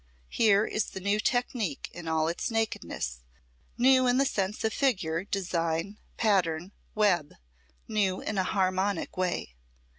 Here is the new technique in all its nakedness, new in the sense of figure, design, pattern, web, new in a harmonic way.